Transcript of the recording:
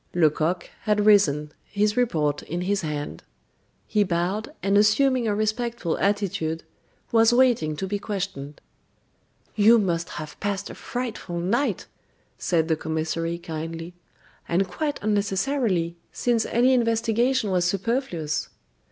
Lecoq had risen, his report in his hand; he bowed, and assuming a respectful attitude, was waiting to be questioned. "You must have passed a frightful night," said the commissary, kindly; "and quite unnecessarily, since any investigation was superfluous."